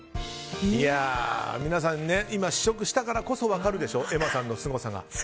皆さん、今試食したからこそ分かるでしょ瑛茉さんのすごさが。